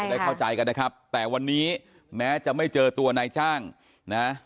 ได้เข้าใจกันนะครับแต่วันนี้แม้จะไม่เจอตัวนายจ้างนะ